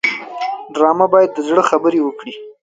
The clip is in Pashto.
ډرامه باید د زړه خبرې وکړي